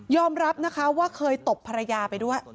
รับนะคะว่าเคยตบภรรยาไปด้วย